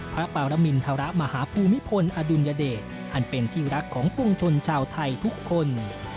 พระปรมินทรมาหาภูมิพลอดุลยเดชอันเป็นที่รักของปวงชนชาวไทยทุกคน